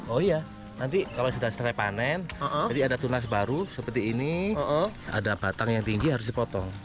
oh iya nanti kalau sudah selesai panen jadi ada tunas baru seperti ini ada batang yang tinggi harus dipotong